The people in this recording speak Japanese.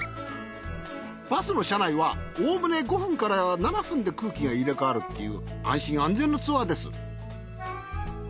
バスの社内はおおむね５分から７分で空気が入れ替わるっていう安心安全のツアーです。